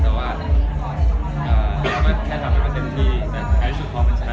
แต่ว่าแล้วแค่ทำให้เต็มที่ใครรู้สึกพอมันชนะ